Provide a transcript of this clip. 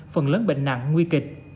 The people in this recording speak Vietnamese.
phần lớn bệnh nặng nguy kịch